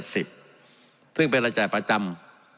ซึ่งเป็นอาจารย์ประจำ